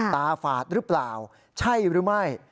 ฝาดหรือเปล่าใช่หรือไม่